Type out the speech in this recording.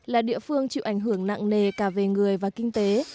là địa phương chịu ảnh hưởng nặng nề cả về người và kinh tế